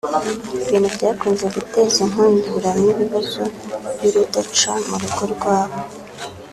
ibintu byakunze guteza inkundura n’ibibazo by’urudaca mu rugo rwabo